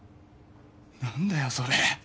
何だよそれ。